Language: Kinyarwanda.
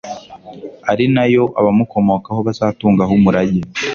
ari na yo abamukomokaho bazatungaho umurage